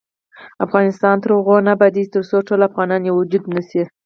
افغانستان تر هغو نه ابادیږي، ترڅو ټول افغانان یو وجود نشي.